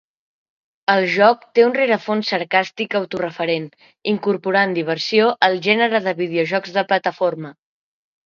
El joc té un rerefons sarcàstic autoreferent, incorporant diversió al gènere de videojocs de plataforma.